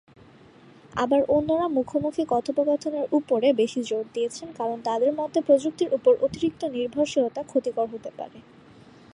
আবার অন্যরা মুখোমুখি কথোপকথনের উপরে বেশি জোর দিয়েছেন কারণ তাদের মতে প্রযুক্তির উপর অতিরিক্ত নির্ভরশীলতা ক্ষতিকর হতে পারে।